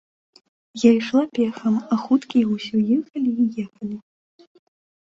Я ішла пехам, а хуткія ўсё ехалі, ехалі.